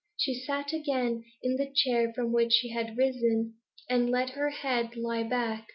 She sat again in the chair from which she had risen, and let her head lie back.